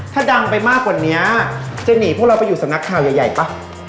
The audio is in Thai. ถ้าดังไปมากกว่านี้จะหนีพวกเราไปอยู่สำนักข่าวใหญ่ป่ะ